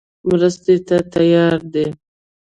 مرستې ته تیار دی.